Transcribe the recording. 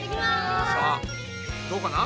さあどうかな？